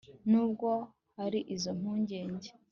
nubwo hari izo mpungenge